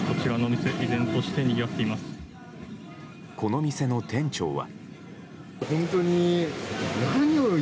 この店の店長は。